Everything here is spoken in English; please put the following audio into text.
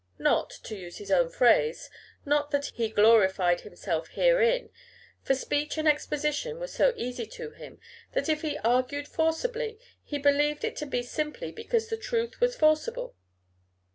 Not to use his own phrase not that "he glorified himself herein;" for speech and exposition were so easy to him, that if he argued forcibly, he believed it to be simply because the truth was forcible.